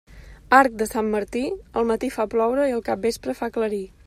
Arc de Sant Martí, el matí fa ploure i el capvespre fa aclarir.